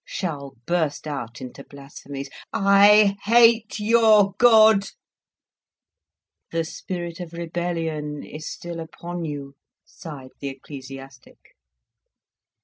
Charles burst out into blasphemies: "I hate your God!" "The spirit of rebellion is still upon you," sighed the ecclesiastic.